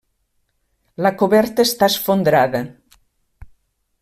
La coberta està esfondrada.